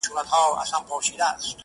شیخه په خلکو به دې زر ځله ریا ووینم،